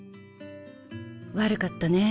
悪かったね